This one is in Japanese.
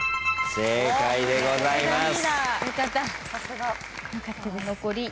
正解でございます。